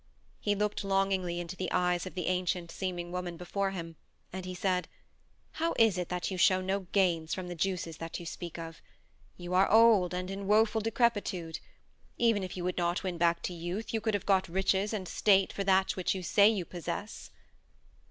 He looked longingly into the eyes of the ancient seeming woman before him, and he said: "How is it that you show no gains from the juices that you speak of? You are old and in woeful decrepitude. Even if you would not win back to youth you could have got riches and state for that which you say you possess."